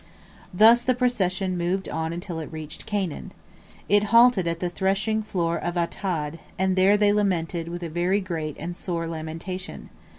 Thus the procession moved on until it reached Canaan. It halted at the threshing floor of Atad, and there they lamented with a very great and sore lamentation.